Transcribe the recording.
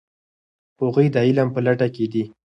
هغوی د علم په لټه کې دي.